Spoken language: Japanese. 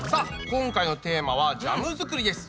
今回のテーマはジャム作りです。